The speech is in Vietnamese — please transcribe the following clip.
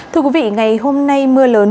thưa quý vị ngày hôm nay mưa lớn